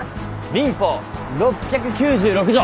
民法６９６条！